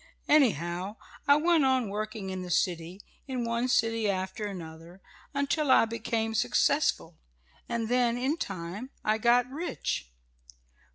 Anyhow I kept on working in the city in one city after another until I became successful and then, in time, I got rich."